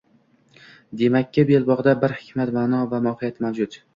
Demakki, belbog‘da bir hikmat, ma'no va mohiyat mavjud